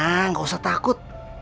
tenang gak usah takut